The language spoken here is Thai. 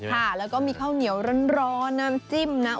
ค่ะแล้วก็มีข้าวเหนียวร้อนน้ำจิ้มนะ